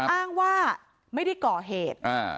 อ้างว่าไม่ได้ก่อเหตุ